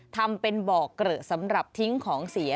ทำเป็นบ่อเกลอะสำหรับทิ้งของเสีย